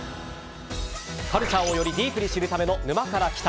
カルチャーをよりディープに知るための「沼から来た。」。